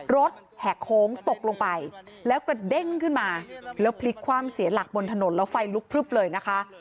แหกโค้งตกลงไปแล้วกระเด้งขึ้นมาแล้วพลิกคว่ำเสียหลักบนถนนแล้วไฟลุกพลึบเลยนะคะ